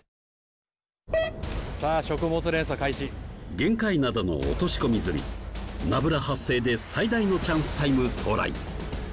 玄界灘の落とし込み釣りナブラ発生で最大のチャンスタイム到来！